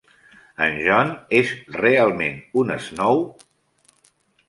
En John és realment un Snow?